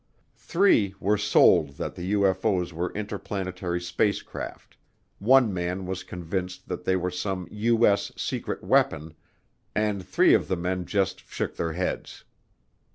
Three were sold that the UFO's were interplanetary spacecraft, one man was convinced that they were some U.S. "secret weapon," and three of the men just shook their heads.